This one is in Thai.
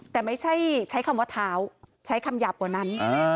แต่ไม่ใช่ใช้คำว่าเท้าใช้คำหยาบกว่านั้น